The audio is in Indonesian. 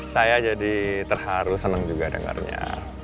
saya jadi terharu senang juga dengarnya